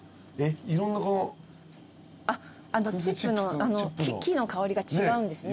あのチップの木の香りが違うんですね